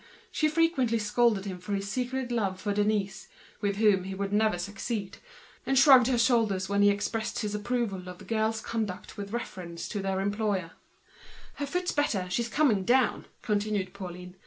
She frequently scolded him for his secret love for Denise, with whom he would never succeed, and she shrugged her shoulders whenever he expressed his approval of the girl's conduct in resisting the governor. "Her foot's better, she's coming down," continued Pauline.